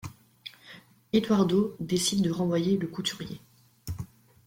Eduardo décide de renvoyer le couturier.